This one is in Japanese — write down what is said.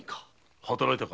働いたか？